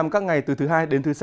các ngày từ thứ hai đến thứ sáu